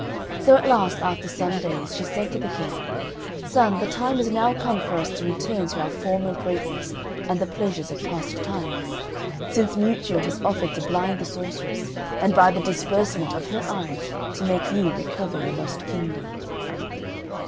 So at last, after some days, she said to the King, "Son, the time is now come for us to return to our former greatness and the pleasures of past times, since Miuccio has offered to blind the sorceress, and by the disbursement of her eyes to make you recover your lost kingdom."